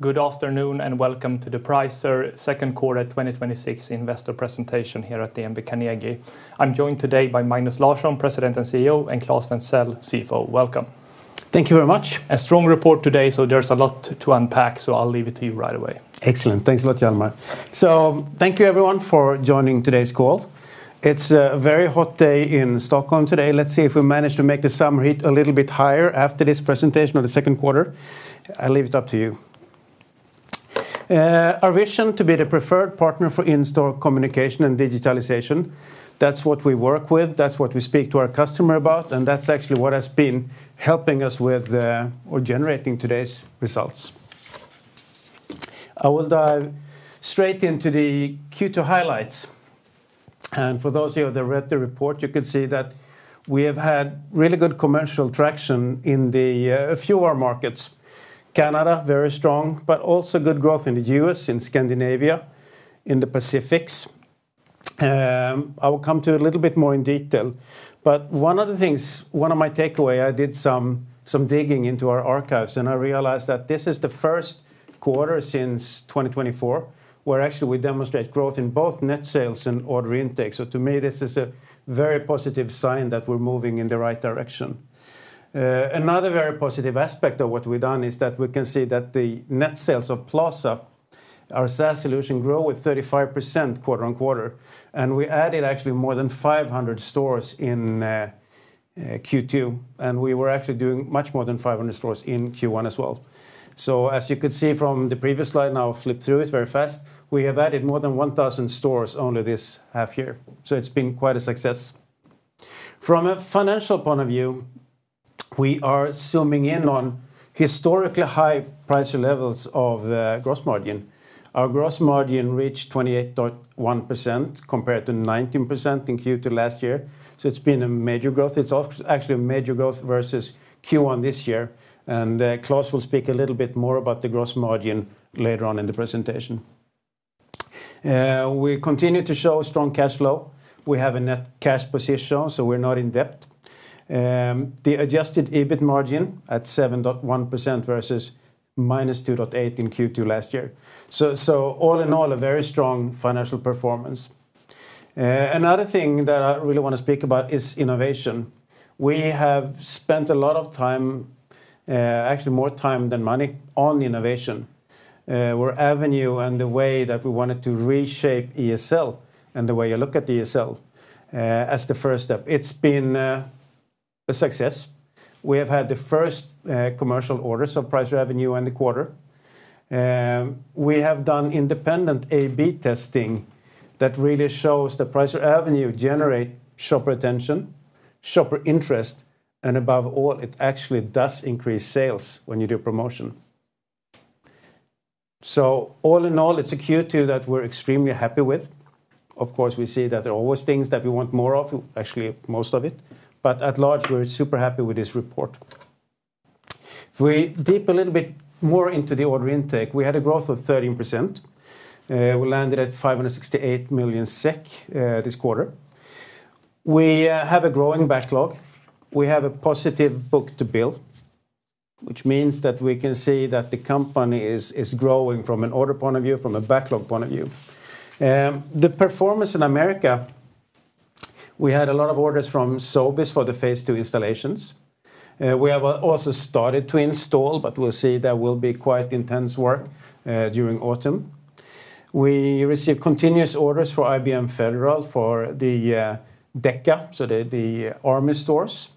Good afternoon, welcome to the Pricer Second Quarter 2026 investor presentation here at the DNB Carnegie. I am joined today by Magnus Larsson, President and CEO, and Claes Wenthzel, CFO. Welcome. Thank you very much. A strong report today, so there's a lot to unpack, so I'll leave it to you right away. Excellent. Thanks a lot, Hjalmar. Thank you everyone for joining today's call. It's a very hot day in Stockholm today. Let's see if we manage to make the summer heat a little bit higher after this presentation of the second quarter. I'll leave it up to you. Our vision to be the preferred partner for in-store communication and digitalization. That's what we work with, that's what we speak to our customer about, and that's actually what has been helping us with or generating today's results. I will dive straight into the Q2 highlights, and for those of you that read the report, you could see that we have had really good commercial traction in a few of our markets. Canada, very strong, but also good growth in the U.S., in Scandinavia, in the Pacifics. I will come to a little bit more in detail, but one of my takeaway, I did some digging into our archives, and I realized that this is the first quarter since 2024, where actually we demonstrate growth in both net sales and order intake. To me, this is a very positive sign that we're moving in the right direction. Another very positive aspect of what we've done is that we can see that the net sales of Pricer Plaza, our SaaS solution, grow with 35% quarter-on-quarter, and we added actually more than 500 stores in Q2, and we were actually doing much more than 500 stores in Q1 as well. As you could see from the previous slide, now flip through it very fast. We have added more than 1,000 stores only this half year, so it's been quite a success. From a financial point of view, we are zooming in on historically high Pricer levels of gross margin. Our gross margin reached 28.1% compared to 19% in Q2 last year. It's been a major growth. It's actually a major growth versus Q1 this year. Claes will speak a little bit more about the gross margin later on in the presentation. We continue to show strong cash flow. We have a net cash position, so we're not in debt. The adjusted EBIT margin at 7.1% versus -2.8% in Q2 last year. All in all, a very strong financial performance. Another thing that I really want to speak about is innovation. We have spent a lot of time, actually more time than money, on innovation, where Pricer Avenue and the way that we wanted to reshape ESL and the way you look at ESL, as the first step. It's been a success. We have had the first commercial orders of Pricer Avenue in the quarter. We have done independent A/B testing that really shows the Pricer Avenue generate shopper attention, shopper interest, and above all, it actually does increase sales when you do promotion. All in all, it's a Q2 that we're extremely happy with. Of course, we see that there are always things that we want more of, actually most of it. At large, we're super happy with this report. If we dip a little bit more into the order intake, we had a growth of 13%. We landed at 568 million SEK this quarter. We have a growing backlog. We have a positive book-to-bill, which means that we can see that the company is growing from an order point of view, from a backlog point of view. The performance in America, we had a lot of orders from Sobeys for the Phase 2 installations. We have also started to install, we'll see that will be quite intense work during autumn. We receive continuous orders for IBM Federal for the DeCA, so the army stores.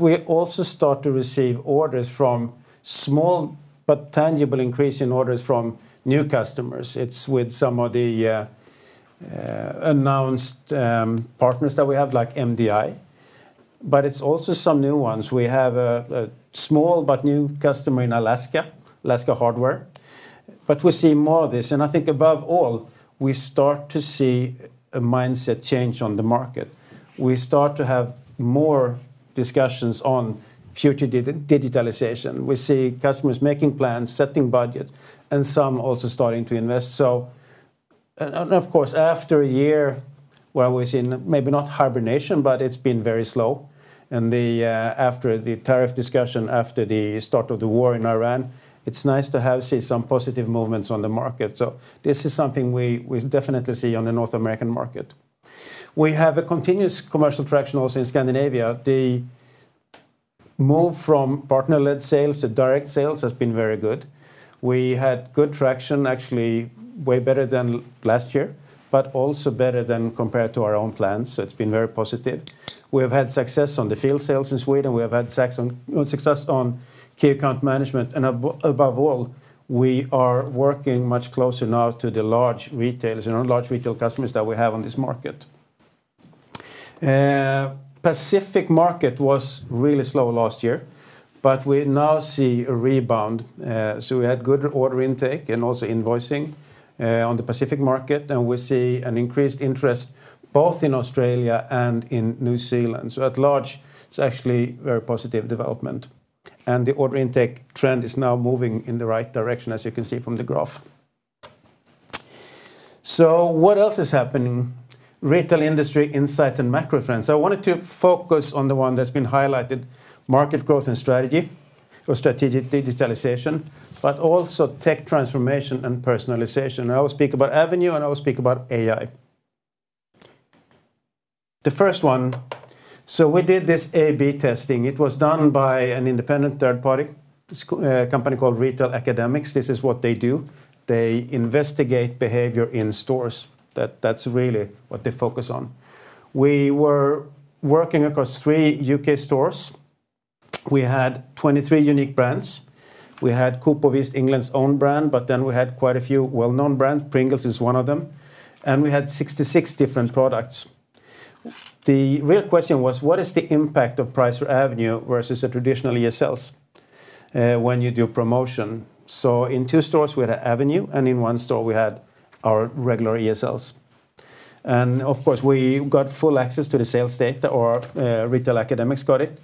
We also start to receive orders from small but tangible increase in orders from new customers. It's with some of the announced partners that we have, like MDI. It's also some new ones. We have a small but new customer in Alaska Industrial Hardware. We see more of this, and I think above all, we start to see a mindset change on the market. We start to have more discussions on future digitalization. We see customers making plans, setting budget, and some also starting to invest. Of course, after a year where we've seen, maybe not hibernation, but it's been very slow. After the tariff discussion, after the start of the war in Ukraine, it's nice to have see some positive movements on the market. This is something we definitely see on the North American market. We have a continuous commercial traction also in Scandinavia. The move from partner-led sales to direct sales has been very good. We had good traction, actually way better than last year, but also better than compared to our own plans. It's been very positive. We have had success on the field sales in Sweden. We have had success on key account management, and above all, we are working much closer now to the large retailers and large retail customers that we have on this market. Pacific market was really slow last year. We now see a rebound. We had good order intake and also invoicing on the Pacific market, and we see an increased interest both in Australia and in New Zealand. At large, it's actually very positive development. The order intake trend is now moving in the right direction, as you can see from the graph. What else is happening? Retail industry insight and macro trends. I wanted to focus on the one that's been highlighted, market growth and strategy, or strategic digitalization, but also tech transformation and personalization. I will speak about Avenue, and I will speak about AI. The first one, we did this A/B testing. It was done by an independent third-party company called Retail Academics. This is what they do. They investigate behavior in stores. That's really what they focus on. We were working across three U.K. stores. We had 23 unique brands. We had Co-op, East of England's own brand, but then we had quite a few well-known brands. Pringles is one of them, and we had 66 different products. The real question was: what is the impact of Pricer Avenue versus a traditional ESL when you do promotion? In two stores, we had Avenue, and in one store we had our regular ESLs. Of course, we got full access to the sales data, or Retail Academics got it,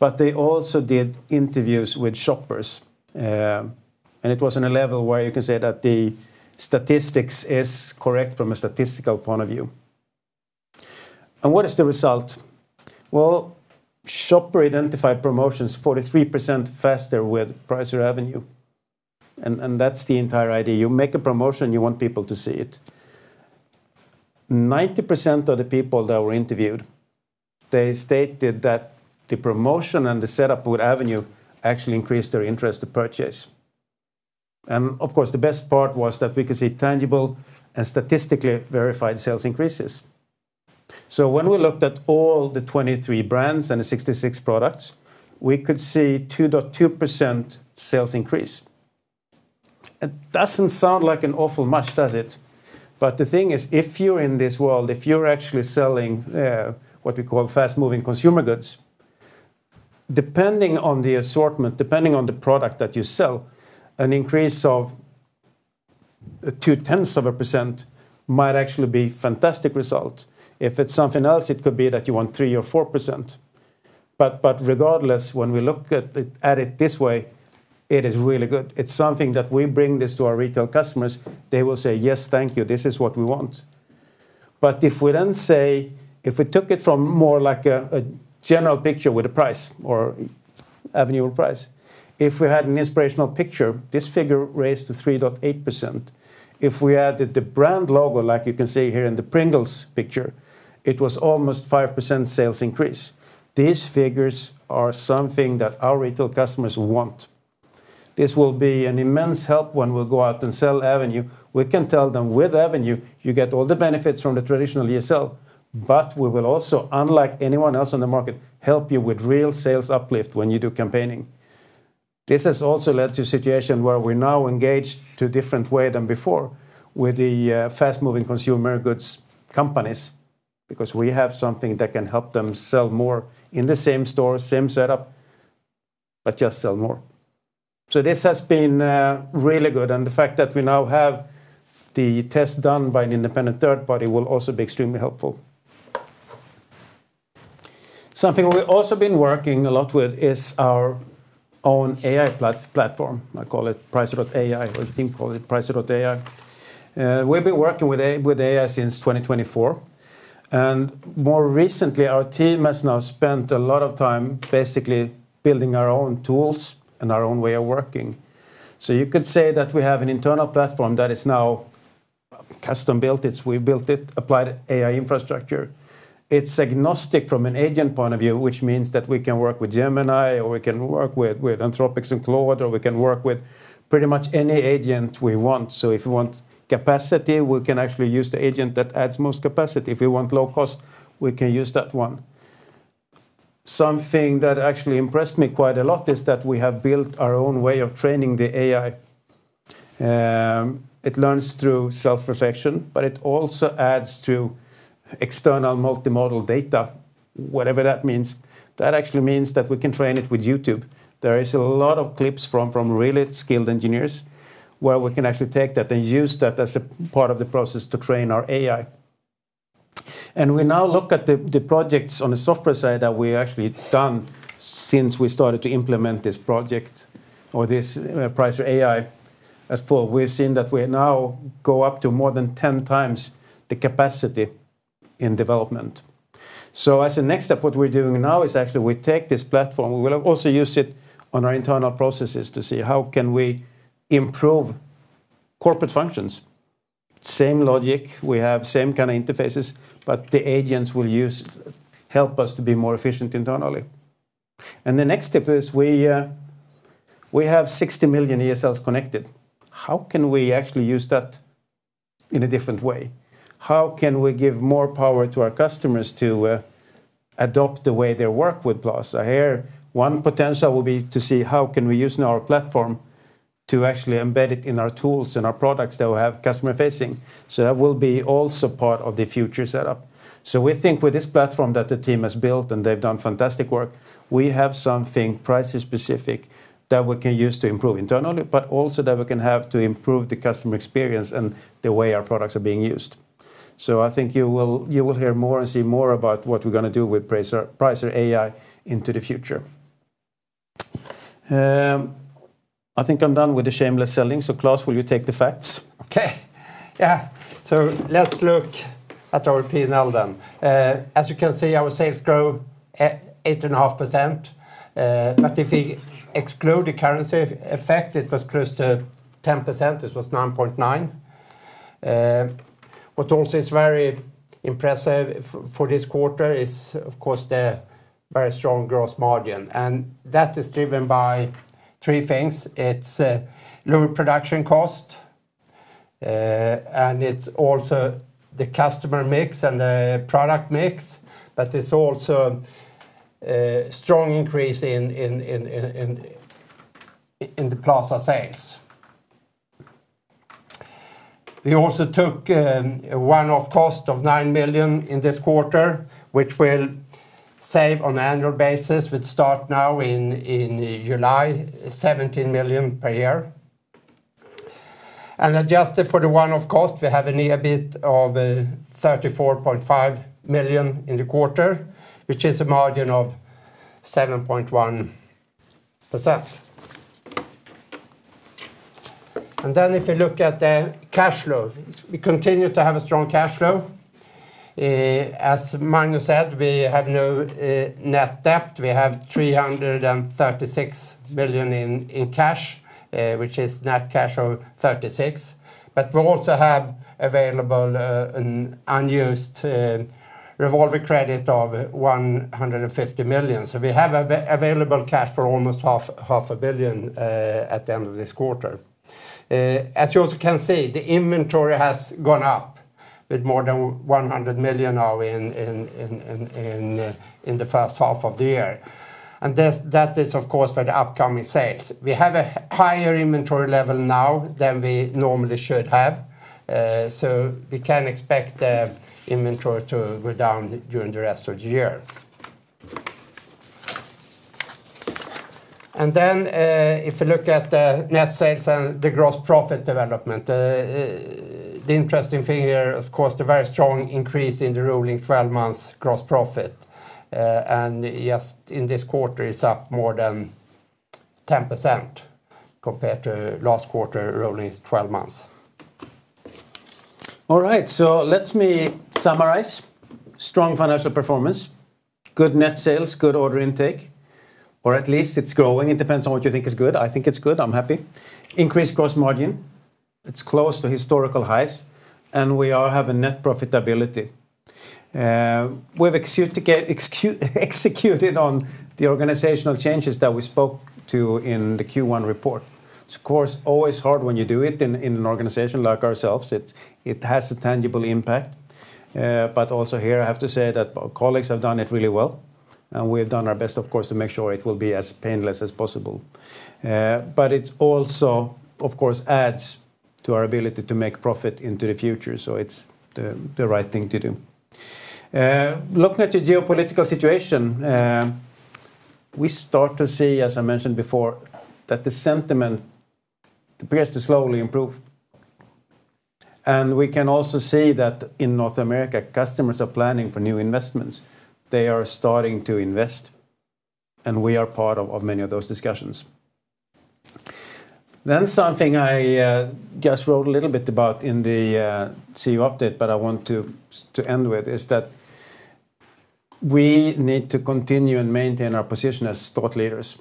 but they also did interviews with shoppers. It was on a level where you can say that the statistics is correct from a statistical point of view. What is the result? Well, shopper-identified promotions 43% faster with Pricer Avenue, and that's the entire idea. You make a promotion, you want people to see it. 90% of the people that were interviewed, they stated that the promotion and the setup with Avenue actually increased their interest to purchase. Of course, the best part was that we could see tangible and statistically verified sales increases. When we looked at all the 23 brands and the 66 products, we could see 2.2% sales increase. It doesn't sound like an awful much, does it? The thing is, if you're in this world, if you're actually selling what we call fast-moving consumer goods, depending on the assortment, depending on the product that you sell, an increase of 2/10 of a percent might actually be fantastic result. If it's something else, it could be that you want 3% or 4%. Regardless, when we look at it this way, it is really good. It's something that we bring this to our retail customers, they will say, "Yes, thank you. This is what we want." If we then say if we took it from more like a general picture with a Pricer Avenue, if we had an inspirational picture, this figure raised to 3.8%. If we added the brand logo, like you can see here in the Pringles picture, it was almost 5% sales increase. These figures are something that our retail customers want. This will be an immense help when we go out and sell Avenue. We can tell them with Avenue, you get all the benefits from the traditional ESL, but we will also, unlike anyone else on the market, help you with real sales uplift when you do campaigning. This has also led to a situation where we now engage to different way than before with the fast-moving consumer goods companies because we have something that can help them sell more in the same store, same setup, but just sell more. This has been really good, and the fact that we now have the test done by an independent third party will also be extremely helpful. Something we've also been working a lot with is our own AI platform. I call it Pricer.AI, or the team call it Pricer.AI. We've been working with AI since 2024, and more recently, our team has now spent a lot of time basically building our own tools and our own way of working. You could say that we have an internal platform that is now custom-built. We've built it, applied AI infrastructure. It's agnostic from an agent point of view, which means that we can work with Gemini, or we can work with Anthropic's Claude, or we can work with pretty much any agent we want. If we want capacity, we can actually use the agent that adds most capacity. If we want low cost, we can use that one. Something that actually impressed me quite a lot is that we have built our own way of training the AI. It learns through self-reflection, but it also adds to external multimodal data, whatever that means. That actually means that we can train it with YouTube. There is a lot of clips from really skilled engineers where we can actually take that and use that as a part of the process to train our AI. We now look at the projects on the software side that we actually done since we started to implement this project or this Pricer.AI at full. We've seen that we now go up to more than 10 times the capacity in development. As a next step, what we're doing now is actually we take this platform. We will also use it on our internal processes to see how can we improve corporate functions. Same logic, we have same kind of interfaces, but the agents will help us to be more efficient internally. The next step is we have 60 million ESLs connected. How can we actually use that in a different way? How can we give more power to our customers to adopt the way they work with us? Here, one potential will be to see how can we use now our platform to actually embed it in our tools and our products that we have customer-facing. That will be also part of the future setup. We think with this platform that the team has built, and they've done fantastic work, we have something Pricer-specific that we can use to improve internally, but also that we can have to improve the customer experience and the way our products are being used. I think you will hear more and see more about what we're going to do with Pricer.AI into the future. I think I'm done with the shameless selling. Claes, will you take the facts? Okay. Yeah. Let's look at our P&L then. As you can see, our sales grew at 8.5%, but if we exclude the currency effect, it was close to 10%, this was 9.9%. What also is very impressive for this quarter is, of course, the very strong gross margin, and that is driven by three things. It's lower production cost, and it's also the customer mix and the product mix, but it's also a strong increase in the Plaza sales. We also took a one-off cost of 9 million in this quarter, which we'll save on annual basis with start now in July, 17 million per year. Adjusted for the one-off cost, we have an EBIT of 34.5 million in the quarter, which is a margin of 7.1%. If you look at the cash flow, we continue to have a strong cash flow. As Magnus said, we have no net debt. We have 336 million in cash, which is net cash of 36 million. We also have available an unused revolving credit of 150 million. We have available cash for almost SEK half a billion, at the end of this quarter. As you also can see, the inventory has gone up with more than 100 million now in the first half of the year, that is, of course, for the upcoming sales. We have a higher inventory level now than we normally should have. We can expect the inventory to go down during the rest of the year. If you look at the net sales and the gross profit development, the interesting thing here, of course, the very strong increase in the rolling 12 months gross profit, yes, in this quarter it's up more than 10% compared to last quarter rolling 12 months. Let me summarize. Strong financial performance, good net sales, good order intake, or at least it's growing. It depends on what you think is good. I think it's good. I'm happy. Increased gross margin. It's close to historical highs, and we all have a net profitability. We've executed on the organizational changes that we spoke to in the Q1 report. It's of course, always hard when you do it in an organization like ourselves. It has a tangible impact. Also here I have to say that our colleagues have done it really well, and we have done our best, of course, to make sure it will be as painless as possible. It also, of course, adds to our ability to make profit into the future. It's the right thing to do. Looking at the geopolitical situation, we start to see, as I mentioned before, that the sentiment appears to slowly improve. We can also see that in North America, customers are planning for new investments. They are starting to invest, and we are part of many of those discussions. Something I just wrote a little bit about in the CEO update, I want to end with is that we need to continue and maintain our position as thought leaders.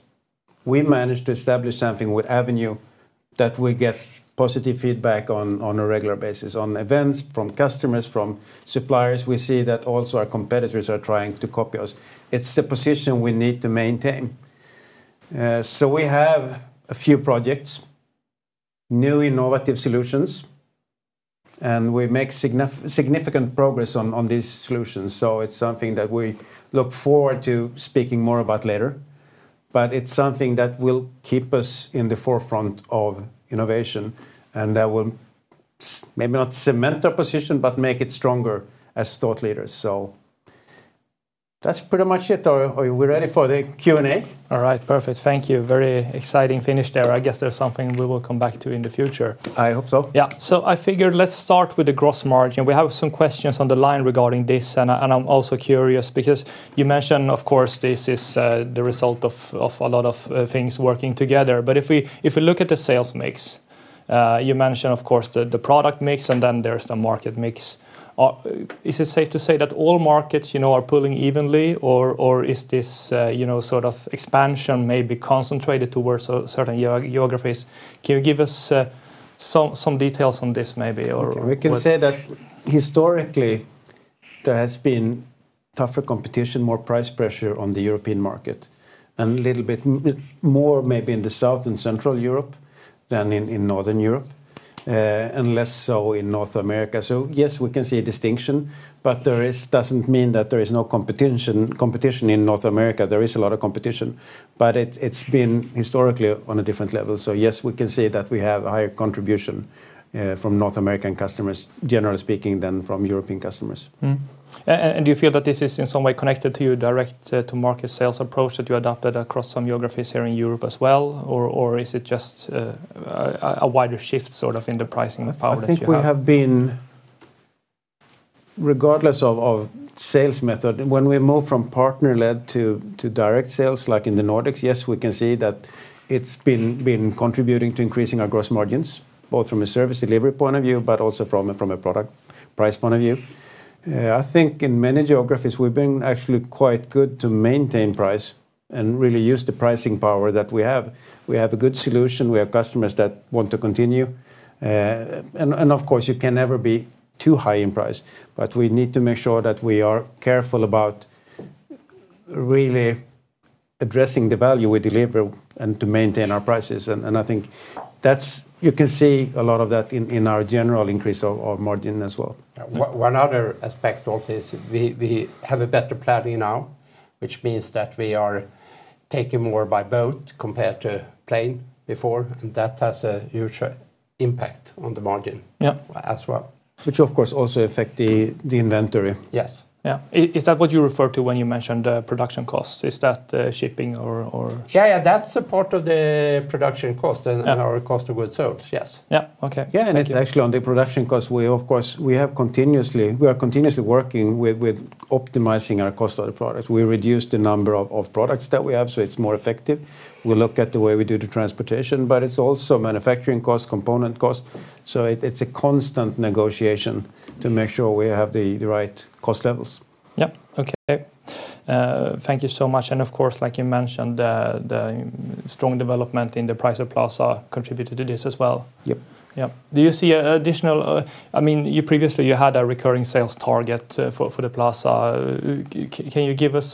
We managed to establish something with Avenue that we get positive feedback on a regular basis on events, from customers, from suppliers. We see that also our competitors are trying to copy us. It's the position we need to maintain. We have a few projects, new innovative solutions, and we make significant progress on these solutions. It's something that we look forward to speaking more about later. It's something that will keep us in the forefront of innovation and that will, maybe not cement our position, but make it stronger as thought leaders. That's pretty much it. Are we ready for the Q&A? All right. Perfect. Thank you. Very exciting finish there. I guess that's something we will come back to in the future. I hope so. Yeah. I figured let's start with the gross margin. We have some questions on the line regarding this, and I'm also curious because you mentioned, of course, this is the result of a lot of things working together. If we look at the sales mix, you mentioned of course the product mix, There's the market mix. Is it safe to say that all markets are pulling evenly, or is this expansion maybe concentrated towards certain geographies? Can you give us some details on this maybe? We can say that historically there has been tougher competition, more price pressure on the European market, and little bit more maybe in the South and Central Europe than in Northern Europe, and less so in North America. Yes, we can see a distinction. This doesn't mean that there is no competition in North America. There is a lot of competition. It's been historically on a different level. Yes, we can say that we have a higher contribution from North American customers, generally speaking, than from European customers. Do you feel that this is in some way connected to your direct to market sales approach that you adopted across some geographies here in Europe as well? Is it just a wider shift sort of in the pricing power that you have? Regardless of sales method, when we move from partner-led to direct sales, like in the Nordics, yes, we can see that it's been contributing to increasing our gross margins, both from a service delivery point of view, but also from a product price point of view. I think in many geographies, we've been actually quite good to maintain price and really use the pricing power that we have. We have a good solution. We have customers that want to continue. Of course, you can never be too high in price, but we need to make sure that we are careful about really addressing the value we deliver and to maintain our prices. I think you can see a lot of that in our general increase of margin as well. One other aspect also is we have a better planning now, which means that we are taking more by boat compared to plane before, and that has a huge impact on the margin- Yep. as well. Which, of course, also affect the inventory. Yes. Yeah. Is that what you referred to when you mentioned production costs? Is that shipping or- Yeah. That's a part of the production cost and our cost of goods sold. Yes. Yep. Okay. Yeah, it's actually on the production cost, we are continuously working with optimizing our cost of the product. We reduce the number of products that we have, so it's more effective. We look at the way we do the transportation, but it's also manufacturing cost, component cost. It's a constant negotiation to make sure we have the right cost levels. Yep. Okay. Thank you so much. Of course, like you mentioned, the strong development in the Pricer Plaza contributed to this as well? Yep. Yep. Previously, you had a recurring sales target for the Plaza. Can you give us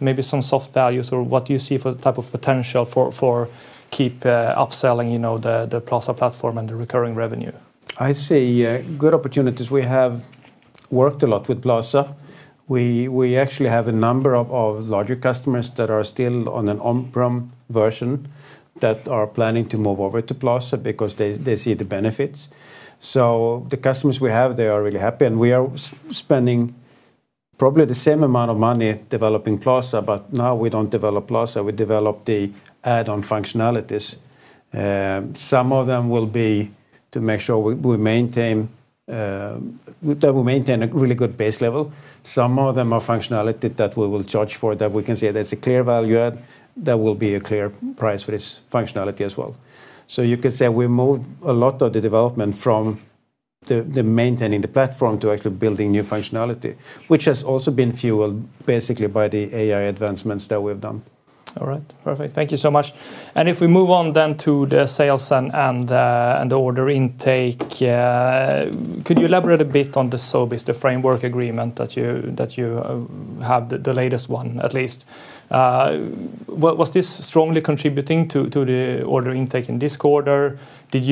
maybe some soft values, or what do you see for the type of potential for keep upselling the Plaza platform and the recurring revenue? I see good opportunities. We have worked a lot with Plaza. We actually have a number of larger customers that are still on an on-prem version that are planning to move over to Plaza because they see the benefits. The customers we have, they are really happy, and we are spending probably the same amount of money developing Plaza, but now we don't develop Plaza, we develop the add-on functionalities. Some of them will be to make sure that we maintain a really good base level. Some of them are functionality that we will charge for, that we can say there's a clear value add, there will be a clear price for this functionality as well. You could say we moved a lot of the development from the maintaining the platform to actually building new functionality, which has also been fueled basically by the AI advancements that we've done. All right. Perfect. Thank you so much. If we move on to the sales and the order intake, could you elaborate a bit on the Sobeys, the framework agreement that you have, the latest one at least? Was this strongly contributing to the order intake in this quarter? Did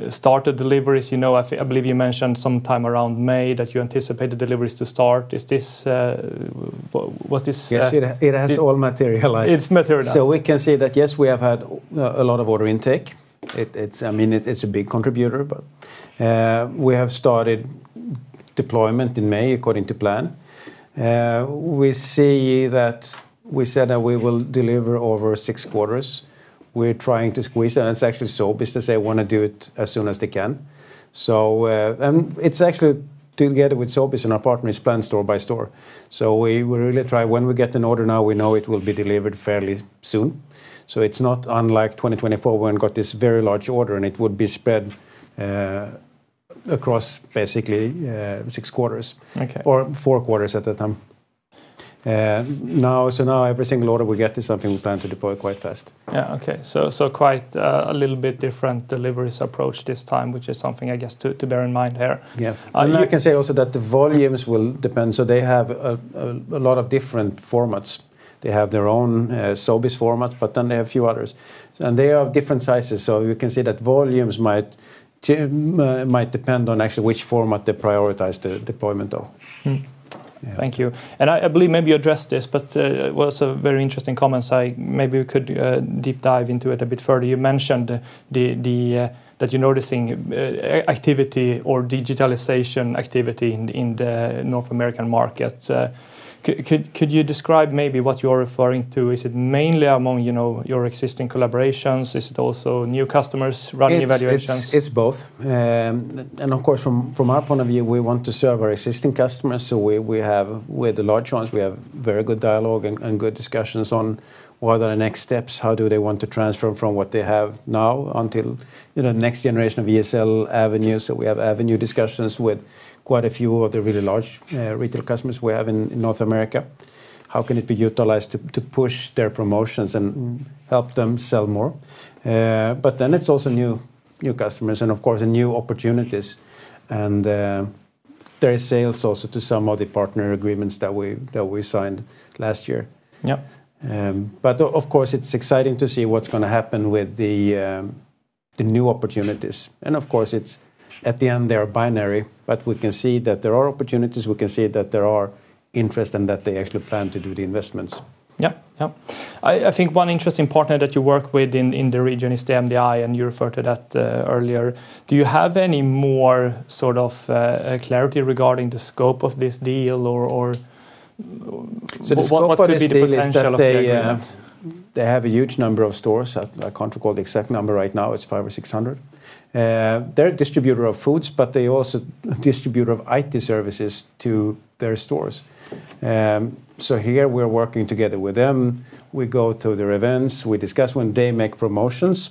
you start the deliveries? I believe you mentioned sometime around May that you anticipate the deliveries to start. Was this- Yes, it has all materialized. It's materialized. We can say that, yes, we have had a lot of order intake. It's a big contributor, but we have started deployment in May according to plan. We said that we will deliver over six quarters. We're trying to squeeze, and it's actually Sobeys that say want to do it as soon as they can. It's actually together with Sobeys, and our partners plan store by store. We really try, when we get an order now, we know it will be delivered fairly soon. It's not unlike 2024 when we got this very large order, and it would be spread across basically six quarters- Okay. or four quarters at the time. Now every single order we get is something we plan to deploy quite fast. Yeah. Okay. Quite a little bit different deliveries approach this time, which is something, I guess, to bear in mind here? Yeah. You can say also that the volumes will depend. They have a lot of different formats. They have their own Sobeys format, they have a few others, and they are of different sizes. You can say that volumes might depend on actually which format they prioritize the deployment of. Thank you. I believe maybe you addressed this, it was a very interesting comment, maybe we could deep dive into it a bit further. You mentioned that you're noticing activity or digitalization activity in the North American market. Could you describe maybe what you're referring to? Is it mainly among your existing collaborations? Is it also new customers running evaluations? It's both. Of course, from our point of view, we want to serve our existing customers. With the large ones, we have very good dialogue and good discussions on what are the next steps. How do they want to transfer from what they have now until next generation of ESL Avenues? We have Avenue discussions with quite a few of the really large retail customers we have in North America. How can it be utilized to push their promotions and help them sell more? It's also new customers and of course, new opportunities. There is sales also to some of the partner agreements that we signed last year. Yep. Of course, it's exciting to see what's going to happen with the new opportunities. Of course, at the end, they are binary, but we can see that there are opportunities, we can see that there are interest and that they actually plan to do the investments. Yep. I think one interesting partner that you work with in the region is MDI, and you referred to that earlier. Do you have any more sort of clarity regarding the scope of this deal, or what could be the potential of the agreement? They have a huge number of stores. I can't recall the exact number right now. It's 500 or 600. They're a distributor of foods, but they're also a distributor of IT services to their stores. Here, we're working together with them. We go to their events. We discuss when they make promotions.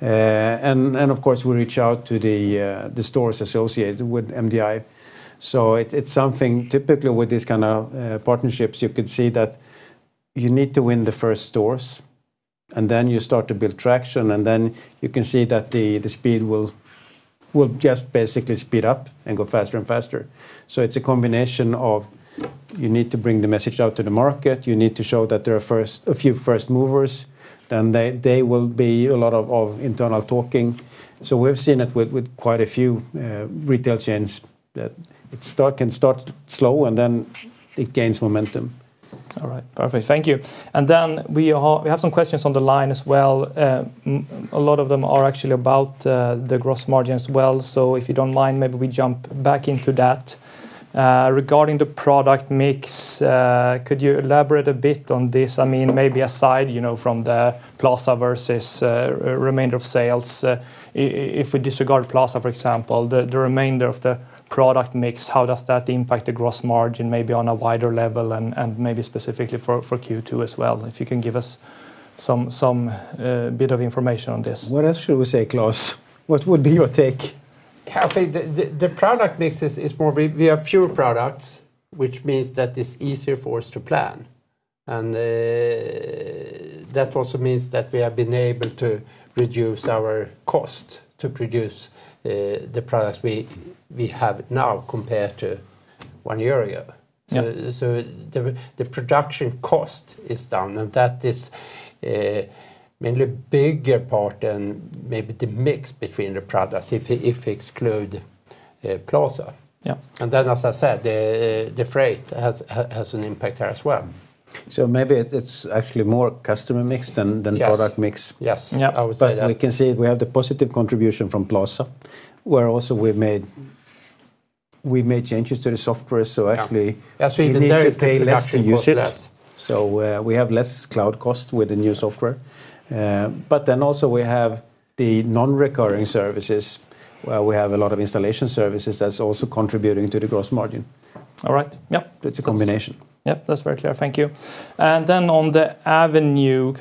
Of course, we reach out to the stores associated with MDI. It's something typical with these kind of partnerships, you could see that you need to win the first stores, and then you start to build traction, and then you can see that the speed will just basically speed up and go faster and faster. It's a combination of you need to bring the message out to the market, you need to show that there are a few first movers. There will be a lot of internal talking. We've seen it with quite a few retail chains that it can start slow, and then it gains momentum. All right. Perfect. Thank you. We have some questions on the line as well. A lot of them are actually about the gross margin as well. If you don't mind, maybe we jump back into that. Regarding the product mix, could you elaborate a bit on this? Maybe aside from the Pricer Plaza versus remainder of sales, if we disregard Pricer Plaza, for example, the remainder of the product mix. How does that impact the gross margin, maybe on a wider level and maybe specifically for Q2 as well? If you can give us some bit of information on this. What else should we say, Claes? What would be your take? I think the product mix is more we have fewer products, which means that it's easier for us to plan, and that also means that we have been able to reduce our cost to produce the products we have now compared to one year ago. Yeah. The production cost is down, and that is mainly bigger part than maybe the mix between the products if you exclude Pricer Plaza. Yeah. As I said, the freight has an impact there as well. Maybe it's actually more customer mix than product mix. Yes. I would say that. We can see we have the positive contribution from Pricer Plaza, where also we've made changes to the software, so actually. Yeah. That's why the direct reduction was less. You need to pay less to use it, so we have less cloud cost with the new software. Also, we have the non-recurring services, where we have a lot of installation services that's also contributing to the gross margin. All right. Yep. It's a combination. Yes. That's very clear. Thank you. On the Avenue,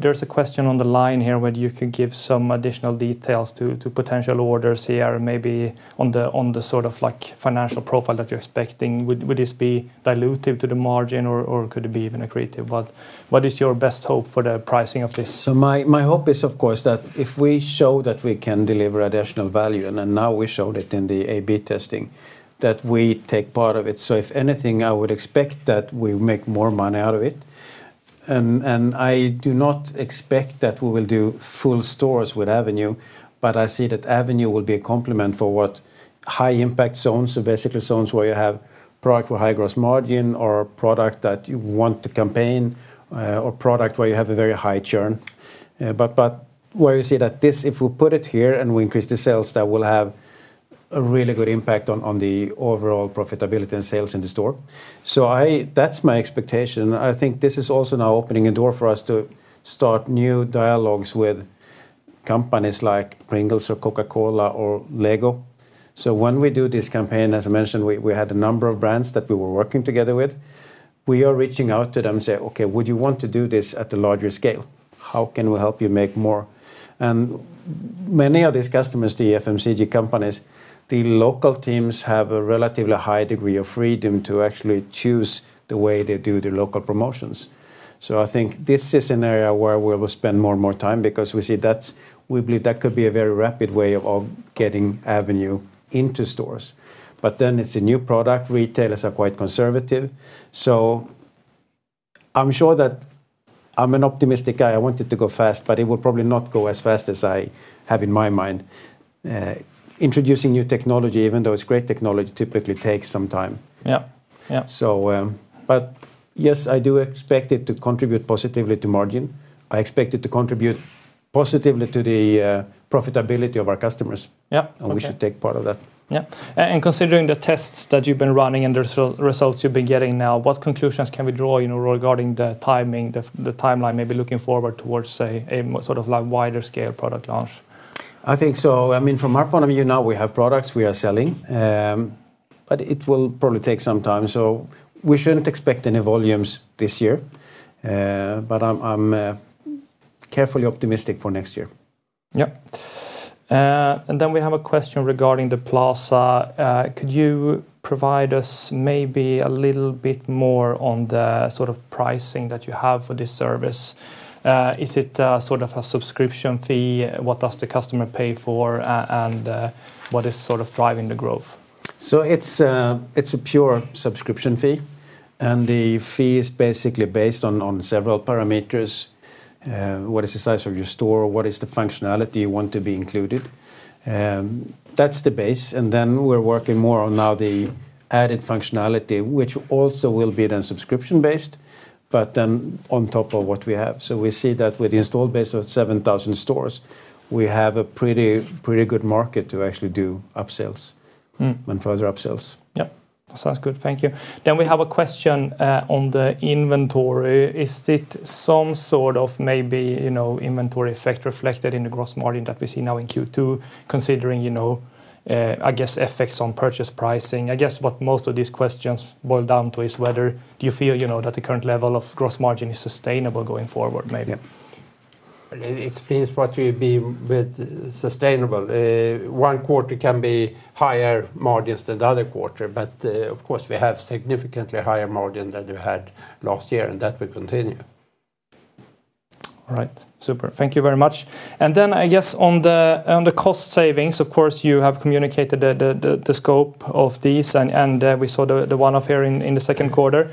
there's a question on the line here, whether you could give some additional details to potential orders here, maybe on the sort of financial profile that you're expecting. Would this be dilutive to the margin, or could it be even accretive? What is your best hope for the pricing of this? My hope is, of course, that if we show that we can deliver additional value, and now we showed it in the A/B testing, that we take part of it. If anything, I would expect that we make more money out of it, I do not expect that we will do full stores with Avenue, I see that Avenue will be a complement for what high-impact zones, basically zones where you have product with high gross margin or a product that you want to campaign or product where you have a very high churn. Where you see that this, if we put it here and we increase the sales, that will have a really good impact on the overall profitability and sales in the store. That's my expectation. I think this is also now opening a door for us to start new dialogues with companies like Pringles or Coca-Cola or LEGO. When we do this campaign, as I mentioned, we had a number of brands that we were working together with. We are reaching out to them and say, "Okay, would you want to do this at a larger scale? How can we help you make more?" Many of these customers, the FMCG companies, the local teams have a relatively high degree of freedom to actually choose the way they do their local promotions. I think this is an area where we will spend more and more time because we believe that could be a very rapid way of getting Avenue into stores. It's a new product. Retailers are quite conservative. I'm sure that I'm an optimistic guy, I want it to go fast, but it will probably not go as fast as I have in my mind. Introducing new technology, even though it's great technology, typically takes some time. Yep. Yes, I do expect it to contribute positively to margin. I expect it to contribute positively to the profitability of our customers. Yep. Okay. We should take part of that. Yep. Considering the tests that you've been running and the results you've been getting now, what conclusions can we draw regarding the timeline, maybe looking forward towards, say, a sort of wider-scale product launch? I think so. From our point of view now, we have products we are selling. It will probably take some time, so we shouldn't expect any volumes this year. I'm carefully optimistic for next year. Yep. Then we have a question regarding the Pricer Plaza. Could you provide us maybe a little bit more on the sort of pricing that you have for this service? Is it sort of a subscription fee? What does the customer pay for? What is sort of driving the growth? It's a pure subscription fee, the fee is basically based on several parameters. What is the size of your store? What is the functionality you want to be included? That's the base, then we're working more on now the added functionality, which also will be then subscription-based, but then on top of what we have. We see that with the installed base of 7,000 stores, we have a pretty good market to actually do up-sales and further up-sales. Yep. Sounds good. Thank you. We have a question on the inventory. Is it some sort of maybe inventory effect reflected in the gross margin that we see now in Q2, considering, I guess, effects on purchase pricing? I guess what most of these questions boil down to is whether do you feel that the current level of gross margin is sustainable going forward, maybe? It depends what you mean with sustainable. One quarter can be higher margins than the other quarter, of course, we have significantly higher margin than we had last year, and that will continue. All right. Super. Thank you very much. I guess on the cost savings, of course, you have communicated the scope of these, and we saw the one-off here in the second quarter.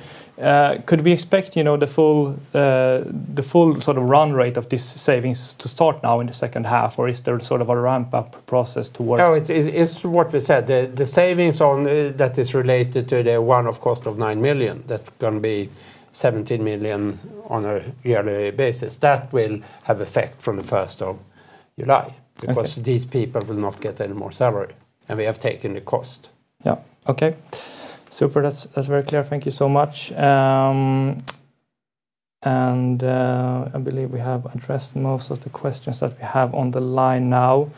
Could we expect the full sort of run rate of these savings to start now in the second half? Or is there sort of a ramp-up process towards? No, it's what we said. The savings that is related to the one-off cost of 9 million, that's going to be 17 million on a yearly basis. That will have effect from the 1st of July. These people will not get any more salary, and we have taken the cost. Yep. Okay. Super. That's very clear. Thank you so much. I believe we have addressed most of the questions that we have on the line now.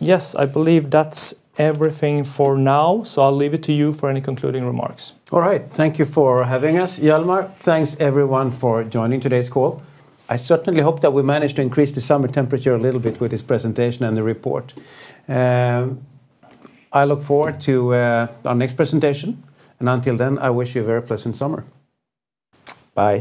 Yes, I believe that's everything for now. I'll leave it to you for any concluding remarks. All right. Thank you for having us, Hjalmar. Thanks, everyone, for joining today's call. I certainly hope that we managed to increase the summer temperature a little bit with this presentation and the report. I look forward to our next presentation. Until then, I wish you a very pleasant summer. Bye.